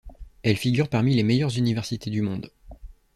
Elle figure parmi les meilleures universités du monde.